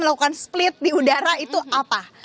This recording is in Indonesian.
melakukan split di udara itu apa